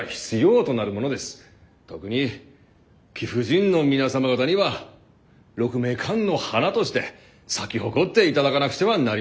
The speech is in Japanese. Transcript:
特に貴婦人の皆様方には鹿鳴館の花として咲き誇っていただかなくてはなりません。